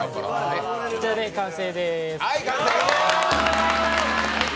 これで完成です。